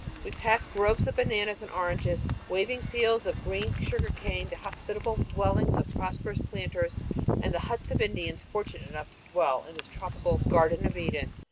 We passed groves of bananas and oranges, waving fields of green sugar cane, the hospitable dwellings of prosperous planters, and the huts of Indians fortunate enough to dwell in this tropical "Garden of Eden."